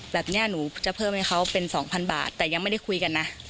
แบบนี้หนูจะเพิ่มให้เขาเป็น๒๐๐บาทแต่ยังไม่ได้คุยกันนะ